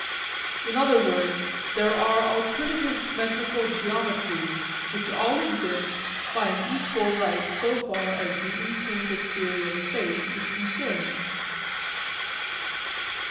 In other words there are alternative metrical geometries which all exist by an equal right so far as the intrinsic theory of space is concerned.